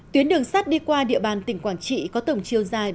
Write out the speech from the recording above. tuyến đường sắt đi qua địa bàn tỉnh quảng trị có tổng chiều dài bảy mươi năm năm km